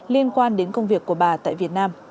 liên quan đến công việc của bà tại việt nam